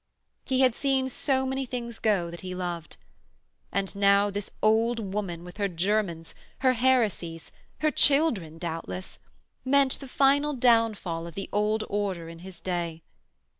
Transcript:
He had seen so many things go that he loved. And now this old woman with her Germans, her heresies her children doubtless meant the final downfall of the Old Order in his day.